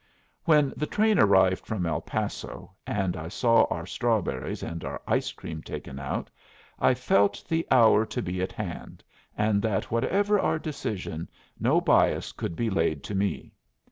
When the train arrived from El Paso, and I saw our strawberries and our ice cream taken out, I felt the hour to be at hand, and that whatever our decision, no bias could be laid to me.